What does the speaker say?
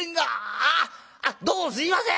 ああどうもすいません！